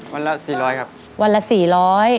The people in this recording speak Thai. วันละสี่ร้อยครับวันละสี่ร้อย